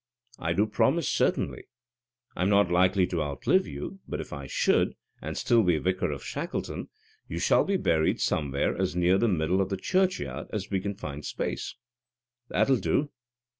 "I do promise, certainly. I'm not likely to outlive you; but, if I should, and still be vicar of Shackleton, you shall be buried somewhere as near the middle of the churchyard as we can find space." "That'll do."